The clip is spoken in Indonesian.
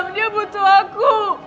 dia butuh aku